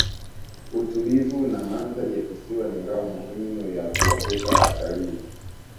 utulivu na mandhari ya kisiwa ni ngao muhimu ya kuwavuta watalii